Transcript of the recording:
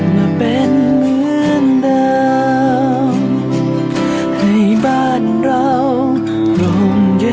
ต้องรับผลกระทบจากเรื่องร้ายที่คนในครอบครัวไม่ได้เป็นคนก่อขึ้นนะครับ